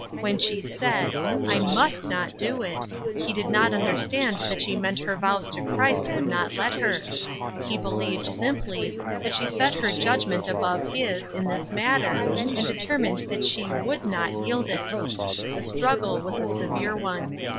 When she said, " I must not do it," he did not understand that she meant her vows to Christ would not let her. He believed, simpl}^, that she set her judgment above his, in this matter, and determined that she would not yield it. The struggle was a severe one.